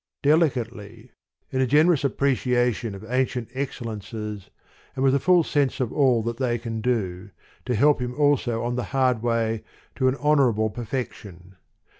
Deli cately: in a generous appreciation of an cient excellences, and with a full sense of all, that they can do, to help him also on the hard way to an honourable perfection.